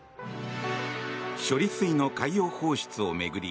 処理水の海洋放出を巡り